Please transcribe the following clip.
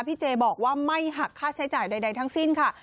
เจบอกว่าไม่หักค่าใช้จ่ายใดทั้งสิ้นค่ะ